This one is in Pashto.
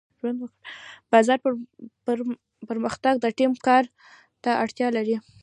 د بازار پرمختګ د ټیم کار ته اړتیا لري.